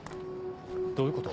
どういうこと？